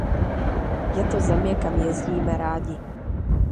Je to země, kam jezdíme rádi.